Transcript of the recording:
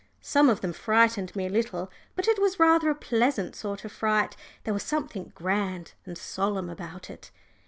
Some of them frightened me a little, but it was rather a pleasant sort of fright, there was something grand and solemn about it.